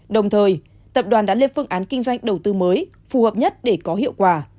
đồng thời tập đoàn đã lên phương án kinh doanh đầu tư mới phù hợp nhất để có hiệu quả